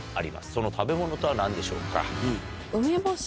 その食べ物とは何でしょうか？